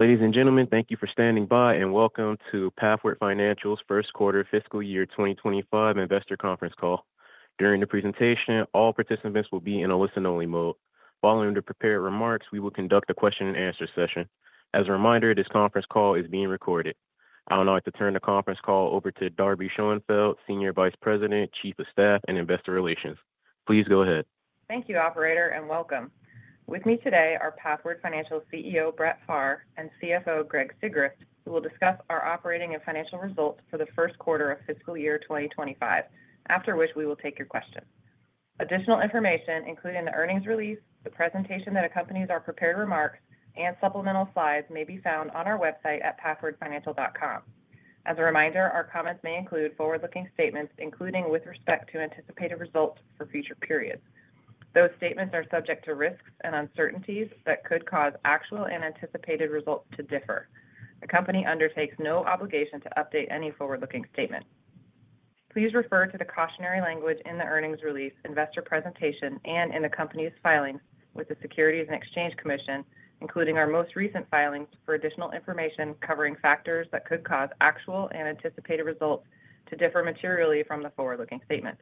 Ladies and gentlemen, thank you for standing by, and welcome to Pathward Financial's first quarter fiscal year 2025 investor conference call. During the presentation, all participants will be in a listen-only mode. Following the prepared remarks, we will conduct a question-and-answer session. As a reminder, this conference call is being recorded. I would now like to turn the conference call over to Darby Schoenfeld, Senior Vice President, Chief of Staff, and Investor Relations. Please go ahead. Thank you, Operator, and welcome. With me today are Pathward Financial CEO Brett Pharr and CFO Greg Sigrist, who will discuss our operating and financial results for the first quarter of fiscal year 2025, after which we will take your questions. Additional information, including the earnings release, the presentation that accompanies our prepared remarks, and supplemental slides, may be found on our website at pathwardfinancial.com. As a reminder, our comments may include forward-looking statements, including with respect to anticipated results for future periods. Those statements are subject to risks and uncertainties that could cause actual and anticipated results to differ. The company undertakes no obligation to update any forward-looking statement. Please refer to the cautionary language in the earnings release, investor presentation, and in the company's filings with the Securities and Exchange Commission, including our most recent filings for additional information covering factors that could cause actual and anticipated results to differ materially from the forward-looking statement.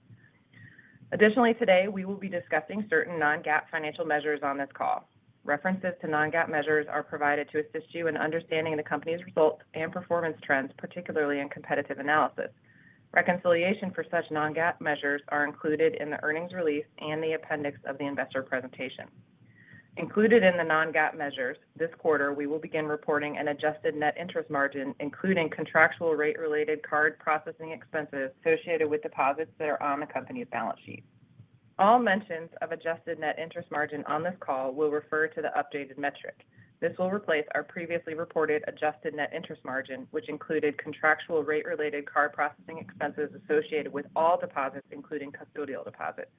Additionally, today we will be discussing certain non-GAAP financial measures on this call. References to non-GAAP measures are provided to assist you in understanding the company's results and performance trends, particularly in competitive analysis. Reconciliation for such non-GAAP measures is included in the earnings release and the appendix of the investor presentation. Included in the non-GAAP measures, this quarter we will begin reporting an adjusted net interest margin, including contractual rate-related card processing expenses associated with deposits that are on the company's balance sheet. All mentions of adjusted net interest margin on this call will refer to the updated metric. This will replace our previously reported adjusted net interest margin, which included contractual rate-related card processing expenses associated with all deposits, including custodial deposits.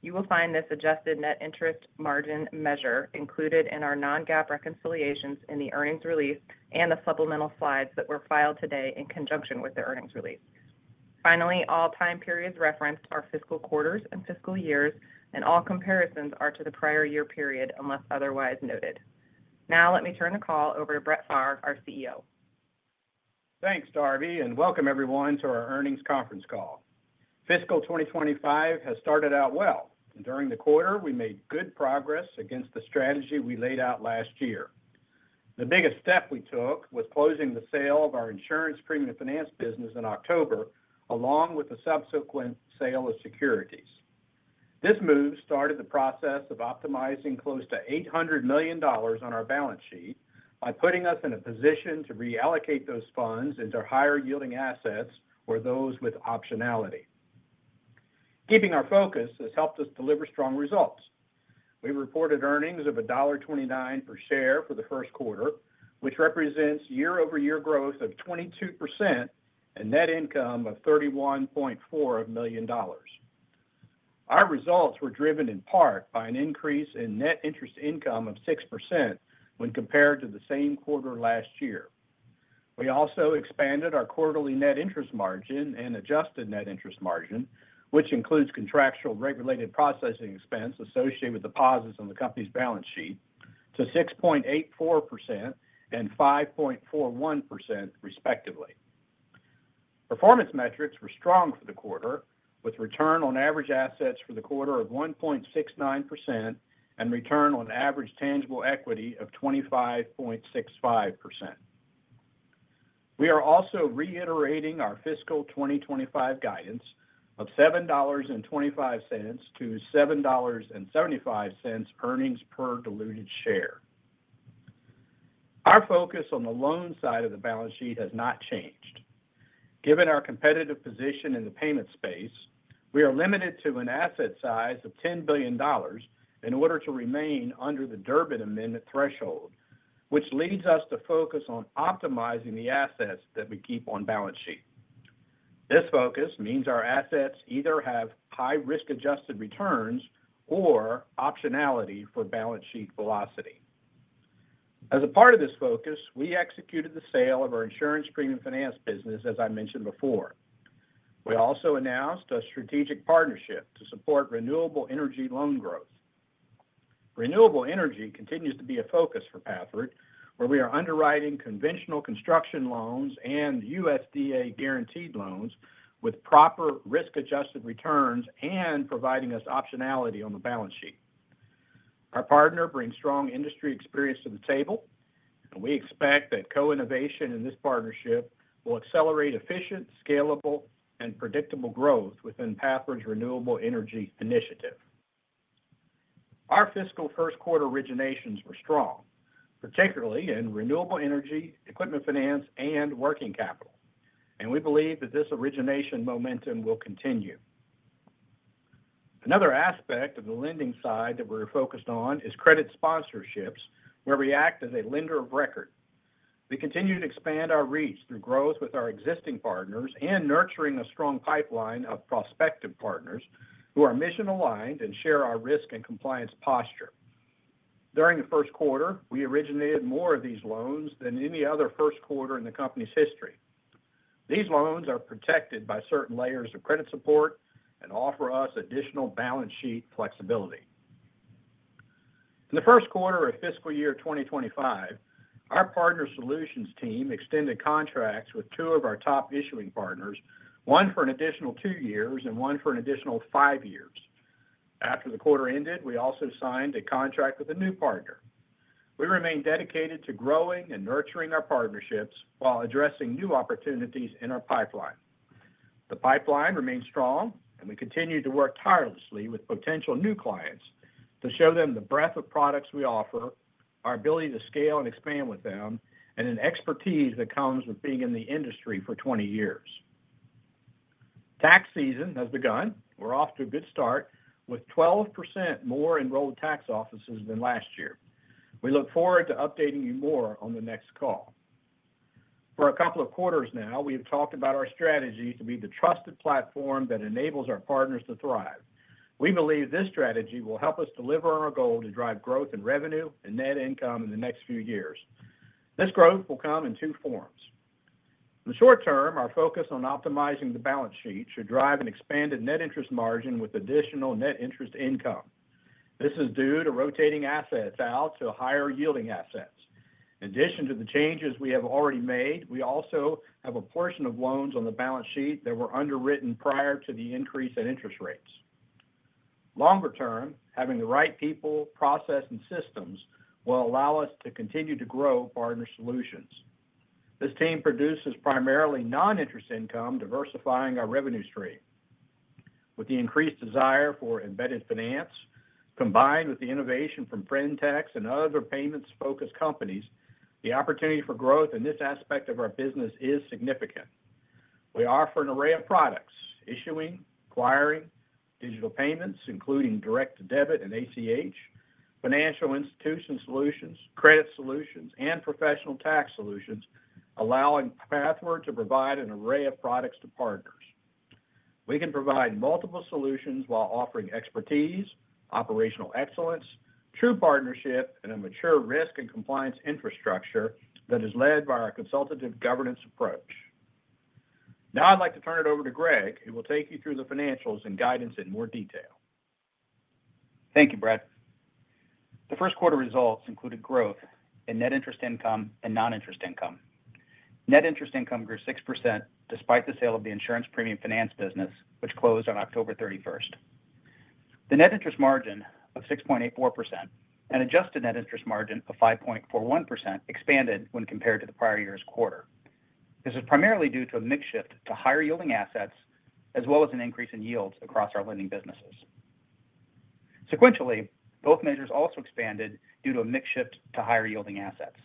You will find this adjusted net interest margin measure included in our non-GAAP reconciliations in the earnings release and the supplemental slides that were filed today in conjunction with the earnings release. Finally, all time periods referenced are fiscal quarters and fiscal years, and all comparisons are to the prior year period unless otherwise noted. Now let me turn the call over to Brett Pharr, our CEO. Thanks, Darby, and welcome everyone to our earnings conference call. Fiscal 2025 has started out well, and during the quarter we made good progress against the strategy we laid out last year. The biggest step we took was closing the sale of our insurance premium finance business in October, along with the subsequent sale of securities. This move started the process of optimizing close to $800 million on our balance sheet by putting us in a position to reallocate those funds into higher-yielding assets or those with optionality. Keeping our focus has helped us deliver strong results. We reported earnings of $1.29 per share for the first quarter, which represents year-over-year growth of 22% and net income of $31.4 million. Our results were driven in part by an increase in net interest income of 6% when compared to the same quarter last year. We also expanded our quarterly net interest margin and adjusted net interest margin, which includes contractual rate-related processing expense associated with deposits on the company's balance sheet, to 6.84% and 5.41%, respectively. Performance metrics were strong for the quarter, with return on average assets for the quarter of 1.69% and return on average tangible equity of 25.65%. We are also reiterating our fiscal 2025 guidance of $7.25-$7.75 earnings per diluted share. Our focus on the loan side of the balance sheet has not changed. Given our competitive position in the payment space, we are limited to an asset size of $10 billion in order to remain under the Durbin Amendment threshold, which leads us to focus on optimizing the assets that we keep on balance sheet. This focus means our assets either have high-risk adjusted returns or optionality for balance sheet velocity. As a part of this focus, we executed the sale of our insurance premium finance business, as I mentioned before. We also announced a strategic partnership to support renewable energy loan growth. Renewable energy continues to be a focus for Pathward, where we are underwriting conventional construction loans and USDA guaranteed loans with proper risk-adjusted returns and providing us optionality on the balance sheet. Our partner brings strong industry experience to the table, and we expect that co-innovation in this partnership will accelerate efficient, scalable, and predictable growth within Pathward's renewable energy initiative. Our fiscal first quarter originations were strong, particularly in renewable energy, equipment finance, and working capital, and we believe that this origination momentum will continue. Another aspect of the lending side that we're focused on is credit sponsorships, where we act as a lender of record. We continue to expand our reach through growth with our existing partners and nurturing a strong pipeline of prospective partners who are mission-aligned and share our risk and compliance posture. During the first quarter, we originated more of these loans than any other first quarter in the company's history. These loans are protected by certain layers of credit support and offer us additional balance sheet flexibility. In the first quarter of fiscal year 2025, our Partner Solutions team extended contracts with two of our top issuing partners, one for an additional two years and one for an additional five years. After the quarter ended, we also signed a contract with a new partner. We remain dedicated to growing and nurturing our partnerships while addressing new opportunities in our pipeline. The pipeline remains strong, and we continue to work tirelessly with potential new clients to show them the breadth of products we offer, our ability to scale and expand with them, and an expertise that comes with being in the industry for 20 years. Tax season has begun. We're off to a good start with 12% more enrolled tax offices than last year. We look forward to updating you more on the next call. For a couple of quarters now, we have talked about our strategy to be the trusted platform that enables our partners to thrive. We believe this strategy will help us deliver on our goal to drive growth in revenue and net income in the next few years. This growth will come in two forms. In the short term, our focus on optimizing the balance sheet should drive an expanded net interest margin with additional net interest income. This is due to rotating assets out to higher-yielding assets. In addition to the changes we have already made, we also have a portion of loans on the balance sheet that were underwritten prior to the increase in interest rates. Longer term, having the right people, process, and systems will allow us to continue to grow partner solutions. This team produces primarily non-interest income, diversifying our revenue stream. With the increased desire for embedded finance, combined with the innovation from fintech and other payments-focused companies, the opportunity for growth in this aspect of our business is significant. We offer an array of products: issuing, acquiring, digital payments, including direct debit and ACH, financial institution solutions, credit solutions, and professional tax solutions, allowing Pathward to provide an array of products to partners. We can provide multiple solutions while offering expertise, operational excellence, true partnership, and a mature risk and compliance infrastructure that is led by our consultative governance approach. Now I'd like to turn it over to Greg, who will take you through the financials and guidance in more detail. Thank you, Brett. The first quarter results included growth in net interest income and non-interest income. Net interest income grew six% despite the sale of the insurance premium finance business, which closed on October 31st. The net interest margin of 6.84% and adjusted net interest margin of 5.41% expanded when compared to the prior year's quarter. This is primarily due to a mix shift to higher-yielding assets as well as an increase in yields across our lending businesses. Sequentially, both measures also expanded due to a mix shift to higher-yielding assets.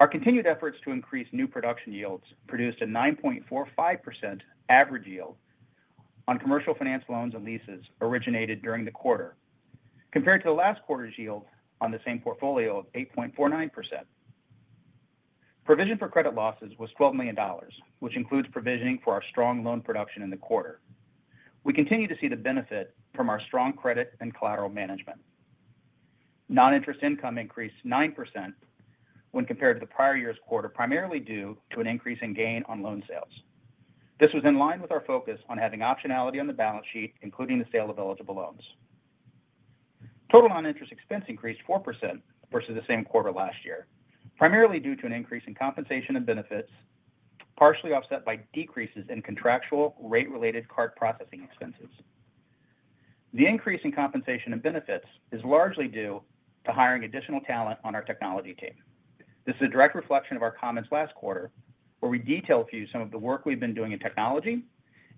Our continued efforts to increase new production yields produced a 9.45% average yield on commercial finance loans and leases originated during the quarter, compared to the last quarter's yield on the same portfolio of 8.49%. Provision for credit losses was $12 million, which includes provisioning for our strong loan production in the quarter. We continue to see the benefit from our strong credit and collateral management. Non-interest income increased 9% when compared to the prior year's quarter, primarily due to an increase in gain on loan sales. This was in line with our focus on having optionality on the balance sheet, including the sale of eligible loans. Total non-interest expense increased 4% versus the same quarter last year, primarily due to an increase in compensation and benefits, partially offset by decreases in contractual rate-related card processing expenses. The increase in compensation and benefits is largely due to hiring additional talent on our technology team. This is a direct reflection of our comments last quarter, where we detailed for you some of the work we've been doing in technology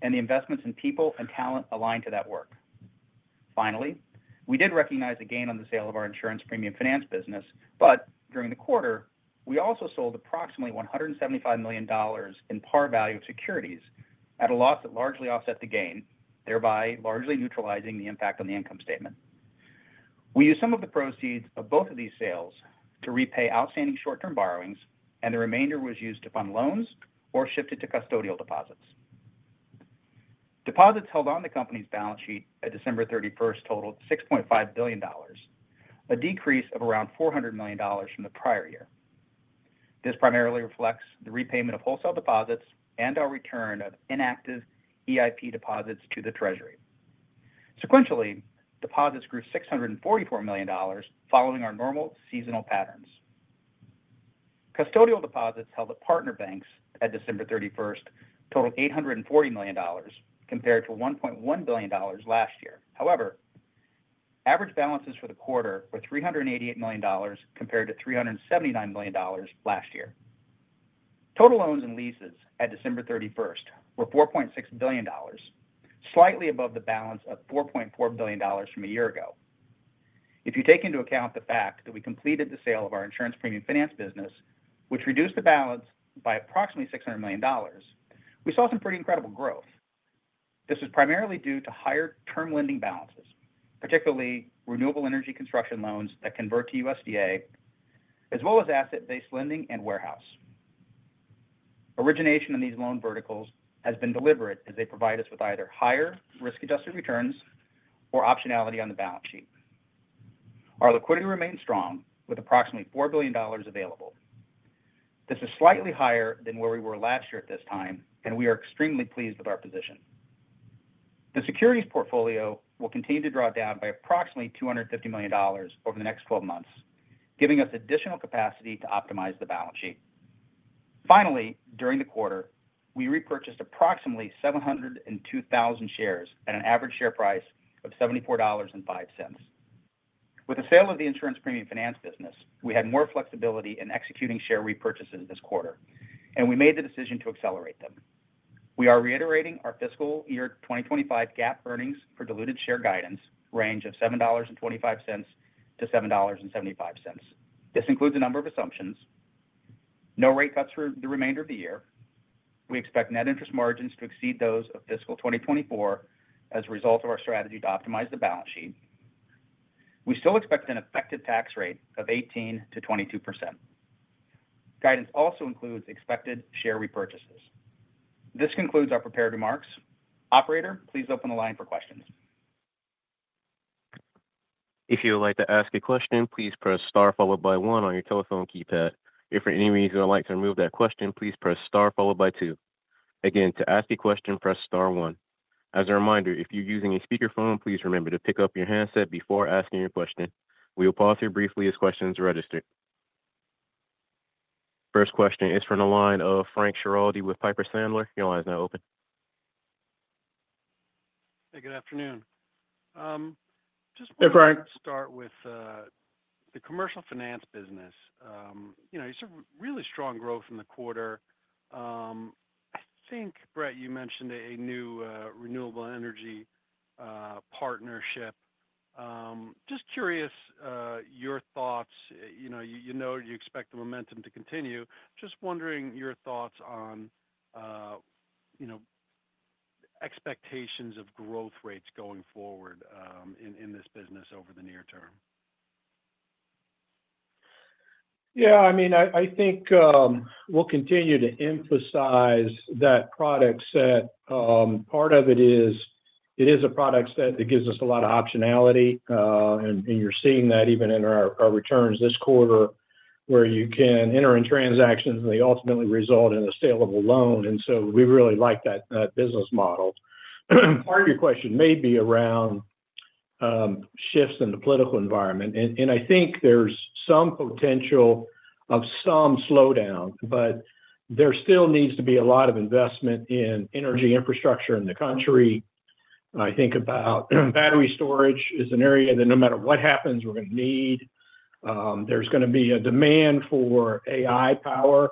and the investments in people and talent aligned to that work. Finally, we did recognize a gain on the sale of our insurance premium finance business, but during the quarter, we also sold approximately $175 million in par value of securities at a loss that largely offset the gain, thereby largely neutralizing the impact on the income statement. We used some of the proceeds of both of these sales to repay outstanding short-term borrowings, and the remainder was used to fund loans or shifted to custodial deposits. Deposits held on the company's balance sheet at December 31st totaled $6.5 billion, a decrease of around $400 million from the prior year. This primarily reflects the repayment of wholesale deposits and our return of inactive EIP deposits to the Treasury. Sequentially, deposits grew $644 million following our normal seasonal patterns. Custodial deposits held at partner banks at December 31st totaled $840 million, compared to $1.1 billion last year. However, average balances for the quarter were $388 million compared to $379 million last year. Total loans and leases at December 31st were $4.6 billion, slightly above the balance of $4.4 billion from a year ago. If you take into account the fact that we completed the sale of our insurance premium finance business, which reduced the balance by approximately $600 million, we saw some pretty incredible growth. This is primarily due to higher term lending balances, particularly renewable energy construction loans that convert to USDA, as well as asset-based lending and warehouse. Origination in these loan verticals has been deliberate as they provide us with either higher risk-adjusted returns or optionality on the balance sheet. Our liquidity remains strong, with approximately $4 billion available. This is slightly higher than where we were last year at this time, and we are extremely pleased with our position. The securities portfolio will continue to draw down by approximately $250 million over the next 12 months, giving us additional capacity to optimize the balance sheet. Finally, during the quarter, we repurchased approximately 702,000 shares at an average share price of $74.05. With the sale of the insurance premium finance business, we had more flexibility in executing share repurchases this quarter, and we made the decision to accelerate them. We are reiterating our fiscal year 2025 GAAP earnings per diluted share guidance range of $7.25-$7.75. This includes a number of assumptions: no rate cuts for the remainder of the year. We expect net interest margins to exceed those of fiscal 2024 as a result of our strategy to optimize the balance sheet. We still expect an effective tax rate of 18%-22%. Guidance also includes expected share repurchases. This concludes our prepared remarks. Operator, please open the line for questions. If you would like to ask a question, please press star followed by one on your telephone keypad. If for any reason I'd like to remove that question, please press star followed by two. Again, to ask a question, press star one. As a reminder, if you're using a speakerphone, please remember to pick up your handset before asking your question. We will pause here briefly as questions are registered. First question is from the line of Frank Schiraldi with Piper Sandler. Your line is now open. Hey, good afternoon. Just wanted to start with the commercial finance business. You said really strong growth in the quarter. I think, Brett, you mentioned a new renewable energy partnership. Just curious your thoughts. You know you expect the momentum to continue. Just wondering your thoughts on expectations of growth rates going forward in this business over the near term. Yeah, I mean, I think we'll continue to emphasize that product set. Part of it is a product set that gives us a lot of optionality, and you're seeing that even in our returns this quarter, where you can enter in transactions, and they ultimately result in a saleable loan. And so we really like that business model. Part of your question may be around shifts in the political environment, and I think there's some potential of some slowdown, but there still needs to be a lot of investment in energy infrastructure in the country. I think about battery storage as an area that no matter what happens, we're going to need. There's going to be a demand for AI power.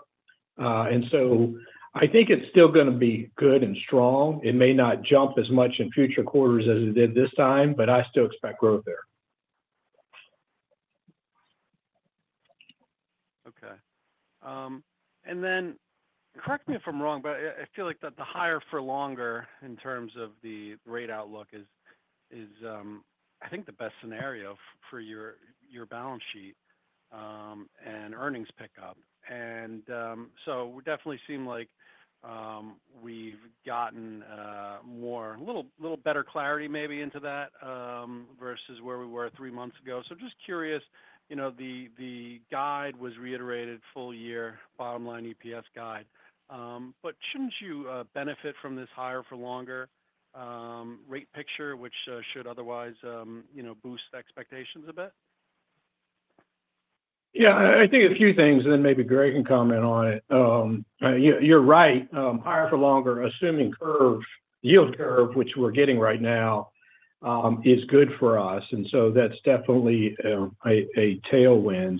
And so I think it's still going to be good and strong. It may not jump as much in future quarters as it did this time, but I still expect growth there. Okay. And then correct me if I'm wrong, but I feel like the higher for longer in terms of the rate outlook is, I think, the best scenario for your balance sheet and earnings pickup. And so we definitely seem like we've gotten a little better clarity maybe into that versus where we were three months ago. So just curious, the guide was reiterated full year, bottom line EPS guide. But shouldn't you benefit from this higher for longer rate picture, which should otherwise boost expectations a bit? Yeah, I think a few things, and then maybe Greg can comment on it. You're right. Higher for longer, assuming yield curve, which we're getting right now, is good for us. And so that's definitely a tailwind.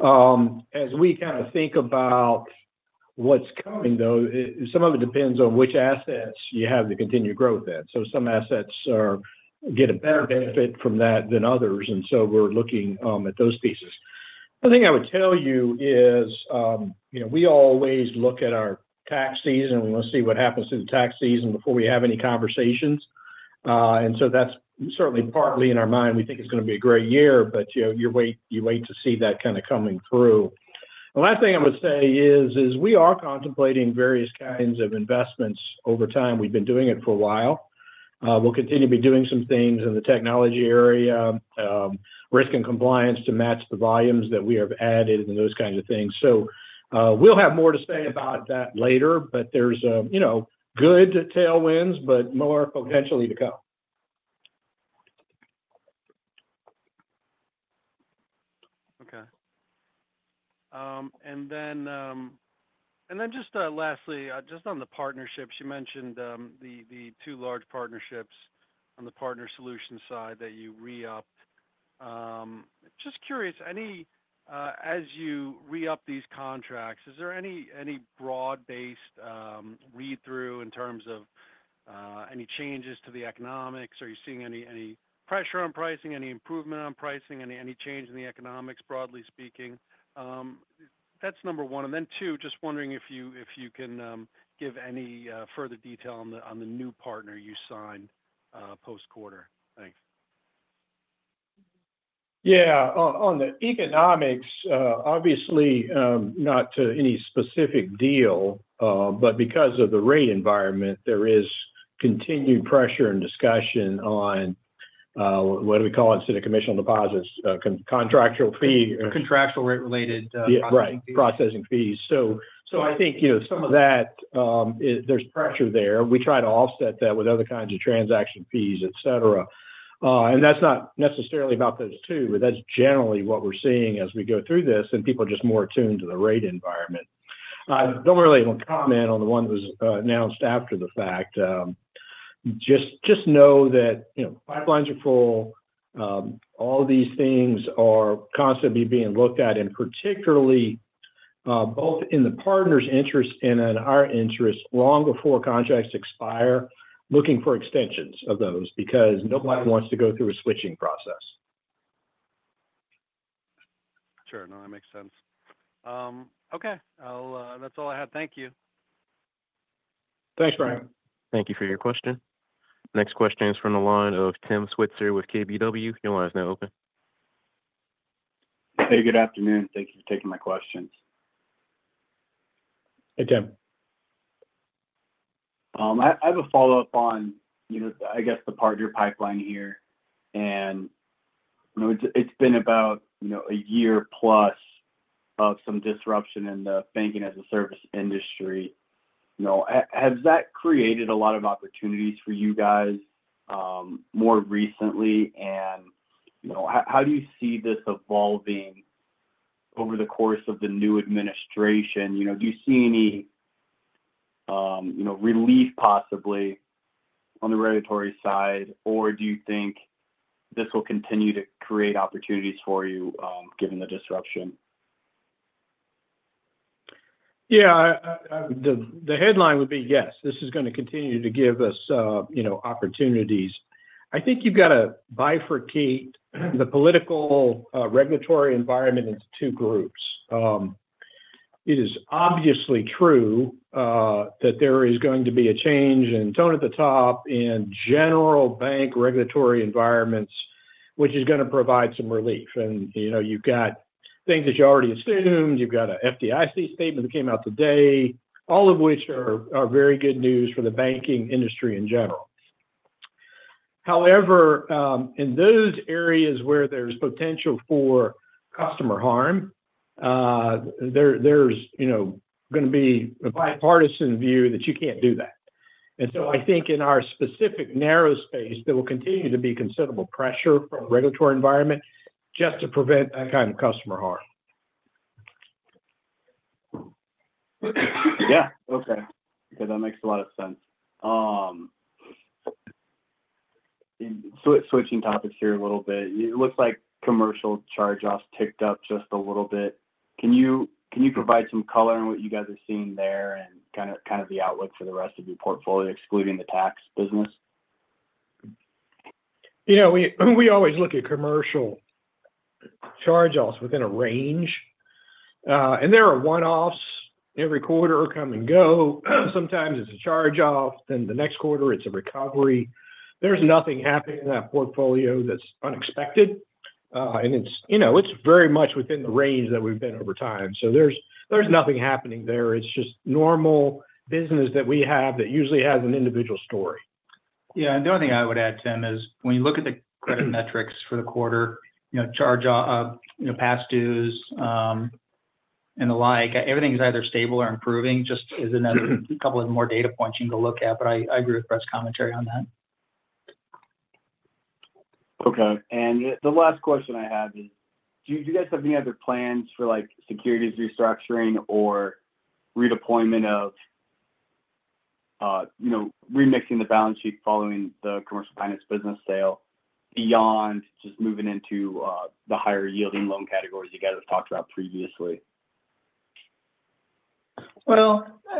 As we kind of think about what's coming, though, some of it depends on which assets you have to continue growth at. So some assets get a better benefit from that than others. And so we're looking at those pieces. The thing I would tell you is we always look at our tax season. We want to see what happens to the tax season before we have any conversations. And so that's certainly partly in our mind. We think it's going to be a great year, but you wait to see that kind of coming through. The last thing I would say is we are contemplating various kinds of investments over time. We've been doing it for a while. We'll continue to be doing some things in the technology area, risk and compliance to match the volumes that we have added and those kinds of things. So we'll have more to say about that later, but there's good tailwinds, but more potentially to come. Okay, and then just lastly, just on the partnerships, you mentioned the two large partnerships on the partner solution side that you re-upped. Just curious, as you re-up these contracts, is there any broad-based read-through in terms of any changes to the economics? Are you seeing any pressure on pricing, any improvement on pricing, any change in the economics, broadly speaking? That's number one, and then two, just wondering if you can give any further detail on the new partner you signed post-quarter. Thanks. Yeah. On the economics, obviously not to any specific deal, but because of the rate environment, there is continued pressure and discussion on what do we call it instead of custodial deposits, contractual fee. Contractual rate-related processing fees. Yeah, processing fees. So I think some of that. There's pressure there. We try to offset that with other kinds of transaction fees, etc. And that's not necessarily about those two, but that's generally what we're seeing as we go through this, and people are just more attuned to the rate environment. I don't really want to comment on the one that was announced after the fact. Just know that pipelines are full. All these things are constantly being looked at, and particularly both in the partner's interest and in our interest long before contracts expire, looking for extensions of those because nobody wants to go through a switching process. Sure. No, that makes sense. Okay. That's all I had. Thank you. Thanks, Brian. Thank you for your question. Next question is from the line of Tim Switzer with KBW. Your line is now open. Hey, good afternoon. Thank you for taking my questions. Hey, Tim. I have a follow-up on, I guess, the partner pipeline here, and it's been about a year-plus of some disruption in the banking as a service industry. Has that created a lot of opportunities for you guys more recently, and how do you see this evolving over the course of the new administration? Do you see any relief possibly on the regulatory side, or do you think this will continue to create opportunities for you given the disruption? Yeah. The headline would be, yes, this is going to continue to give us opportunities. I think you've got to bifurcate the political regulatory environment into two groups. It is obviously true that there is going to be a change in tone at the top in general bank regulatory environments, which is going to provide some relief. And you've got things that you already assumed. You've got an FDIC statement that came out today, all of which are very good news for the banking industry in general. However, in those areas where there's potential for customer harm, there's going to be a bipartisan view that you can't do that. And so I think in our specific narrow space, there will continue to be considerable pressure from the regulatory environment just to prevent that kind of customer harm. Yeah. Okay. That makes a lot of sense. Switching topics here a little bit. It looks like commercial charge-offs ticked up just a little bit. Can you provide some color on what you guys are seeing there and kind of the outlook for the rest of your portfolio, excluding the tax business? We always look at commercial charge-offs within a range. And there are one-offs. Every quarter come and go. Sometimes it's a charge-off. Then the next quarter, it's a recovery. There's nothing happening in that portfolio that's unexpected. And it's very much within the range that we've been over time. So there's nothing happening there. It's just normal business that we have that usually has an individual story. Yeah. And the only thing I would add, Tim, is when you look at the credit metrics for the quarter, charge-off, past dues, and the like, everything's either stable or improving, just as in a couple of more data points you can go look at. But I agree with Brett's commentary on that. Okay. And the last question I have is, do you guys have any other plans for securities restructuring or redeployment or remixing the balance sheet following the commercial finance business sale beyond just moving into the higher-yielding loan categories you guys have talked about previously?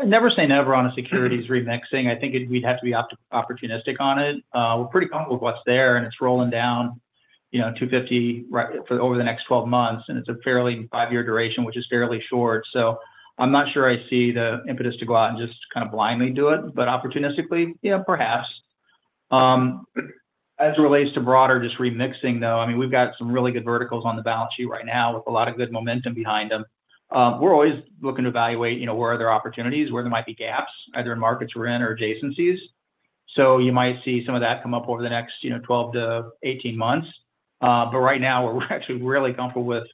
Never say never on a securities remixing. I think we'd have to be opportunistic on it. We're pretty comfortable with what's there, and it's rolling down 250 over the next 12 months, and it's a fairly five-year duration, which is fairly short. I'm not sure I see the impetus to go out and just kind of blindly do it. Opportunistically, yeah, perhaps. As it relates to broader just remixing, though, I mean, we've got some really good verticals on the balance sheet right now with a lot of good momentum behind them. We're always looking to evaluate where are there opportunities, where there might be gaps, either in markets we're in or adjacencies. You might see some of that come up over the next 12 to 18 months. Right now, we're actually really comfortable with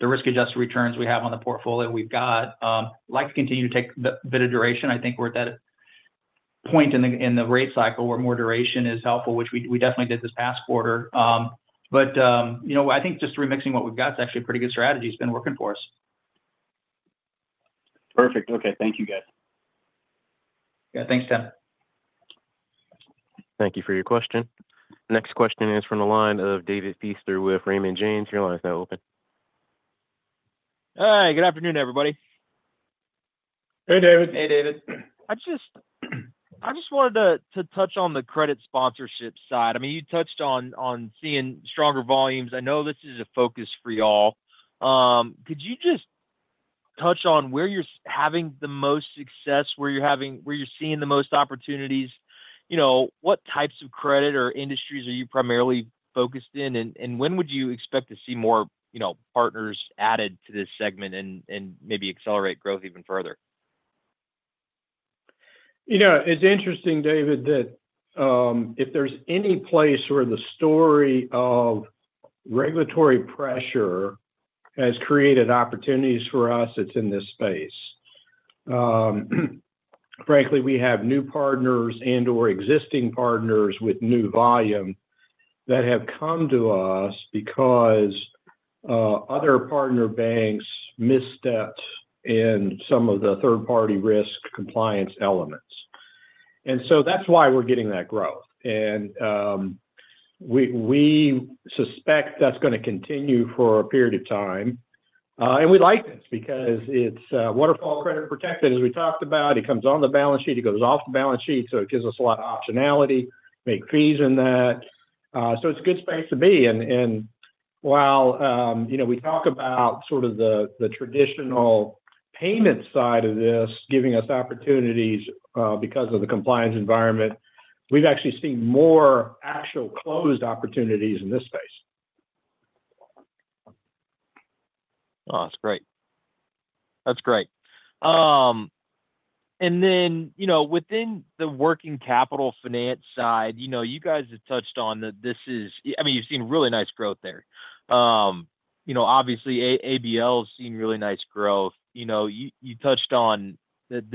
the risk-adjusted returns we have on the portfolio we've got. I'd like to continue to take a bit of duration. I think we're at that point in the rate cycle where more duration is helpful, which we definitely did this past quarter. But I think just remixing what we've got is actually a pretty good strategy. It's been working for us. Perfect. Okay. Thank you, guys. Yeah. Thanks, Tim. Thank you for your question. Next question is from the line of David Feaster with Raymond James. Your line is now open. Hey, good afternoon, everybody. Hey, David. Hey, David. I just wanted to touch on the credit sponsorship side. I mean, you touched on seeing stronger volumes. I know this is a focus for y'all. Could you just touch on where you're having the most success, where you're seeing the most opportunities? What types of credit or industries are you primarily focused in? And when would you expect to see more partners added to this segment and maybe accelerate growth even further? It's interesting, David, that if there's any place where the story of regulatory pressure has created opportunities for us, it's in this space. Frankly, we have new partners and/or existing partners with new volume that have come to us because other partner banks misstepped in some of the third-party risk compliance elements. And so that's why we're getting that growth. And we suspect that's going to continue for a period of time. And we like this because it's waterfall credit protected, as we talked about. It comes on the balance sheet. It goes off the balance sheet. So it gives us a lot of optionality, make fees in that. So it's a good space to be. And while we talk about sort of the traditional payment side of this giving us opportunities because of the compliance environment, we've actually seen more actual closed opportunities in this space. Oh, that's great. That's great and then within the working capital finance side, you guys have touched on that. This is, I mean, you've seen really nice growth there. Obviously, ABL has seen really nice growth. You touched on that.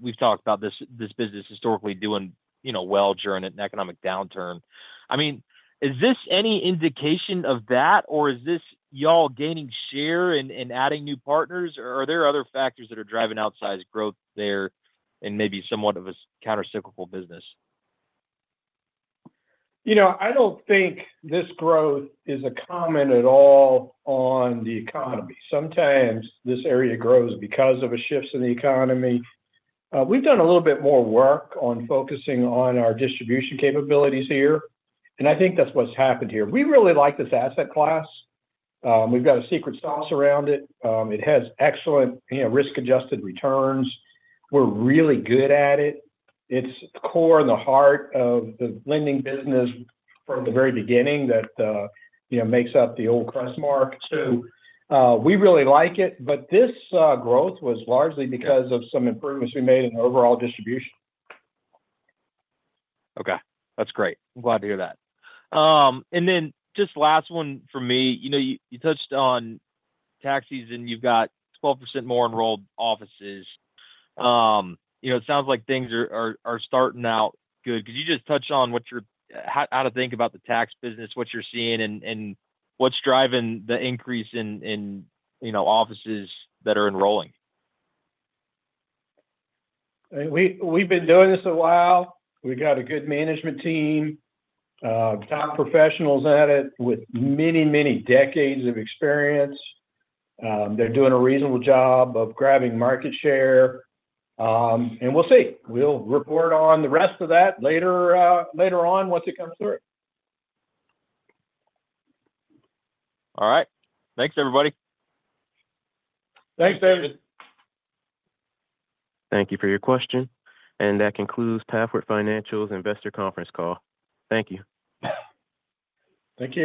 We've talked about this business historically doing well during an economic downturn. I mean, is this any indication of that, or is this y'all gaining share and adding new partners? Or are there other factors that are driving outsized growth there and maybe somewhat of a countercyclical business? I don't think this growth is a comment at all on the economy. Sometimes this area grows because of shifts in the economy. We've done a little bit more work on focusing on our distribution capabilities here, and I think that's what's happened here. We really like this asset class. We've got a secret sauce around it. It has excellent risk-adjusted returns. We're really good at it. It's the core and the heart of the lending business from the very beginning that makes up the old Crestmark, so we really like it, but this growth was largely because of some improvements we made in overall distribution. Okay. That's great. I'm glad to hear that, and then just last one for me. You touched on tax season. You've got 12% more enrolled offices. It sounds like things are starting out good. Could you just touch on how to think about the tax business, what you're seeing, and what's driving the increase in offices that are enrolling? We've been doing this a while. We've got a good management team, top professionals at it with many, many decades of experience. They're doing a reasonable job of grabbing market share, and we'll see. We'll report on the rest of that later on once it comes through. All right. Thanks, everybody. Thanks, David. Thank you for your question. And that concludes Pathward Financial's investor conference call. Thank you. Thank you.